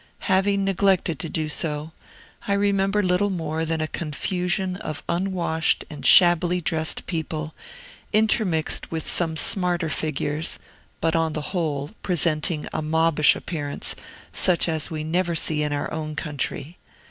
Having neglected to do so, I remember little more than a confusion of unwashed and shabbily dressed people, intermixed with some smarter figures, but, on the whole, presenting a mobbish appearance such as we never see in our own country.